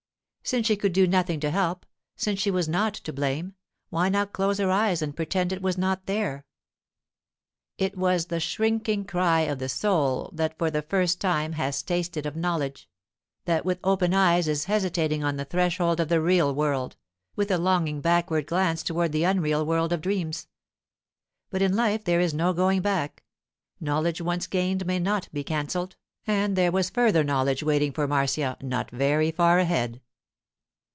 Since she could do nothing to help, since she was not to blame, why not close her eyes and pretend it was not there? It was the shrinking cry of the soul that for the first time has tasted of knowledge; that with open eyes is hesitating on the threshold of the real world, with a longing backward glance toward the unreal world of dreams. But in life there is no going back; knowledge once gained may not be cancelled, and there was further knowledge waiting for Marcia not very far ahead.